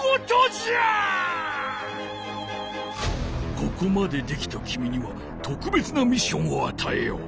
ここまでできたきみにはとくべつなミッションをあたえよう。